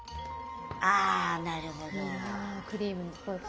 あなるほど。